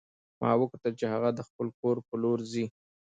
ما وکتل چې هغه د خپل کور په لور ځي